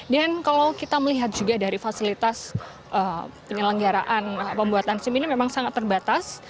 dan kalau kita melihat juga dari fasilitas penyelenggaraan pembuatan sim ini memang sangat terbatas